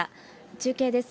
中継です。